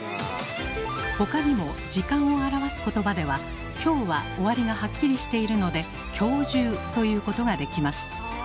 他にも時間を表す言葉では「今日」は終わりがハッキリしているので「今日中」と言うことができます。